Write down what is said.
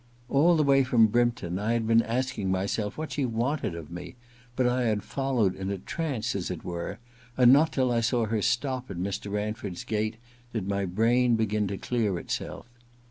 All the way from Brympton I had been asking myself what she wanted of me, but I had followed in a trance, as it were, and not till I saw her stop at Mr. Ranford's gate did my brain begin to clear itself.